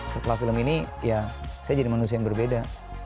setelah film ini saya menjadi manusia yang berbeda